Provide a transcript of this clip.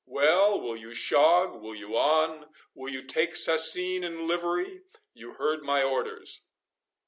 —Well, will you shog—will you on—will you take sasine and livery?—You heard my orders."